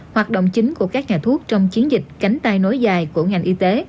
hoạt động chính của các nhà thuốc trong chiến dịch cánh tay nối dài của ngành y tế